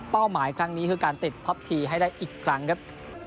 หมายครั้งนี้คือการติดท็อปทีให้ได้อีกครั้งครับ